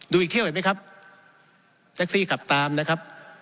อีกเที่ยวเห็นไหมครับแท็กซี่ขับตามนะครับ